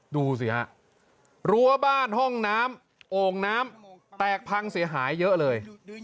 ดูสิฮะรั้วบ้านห้องน้ำโอ่งน้ำแตกพังเสียหายเยอะเลย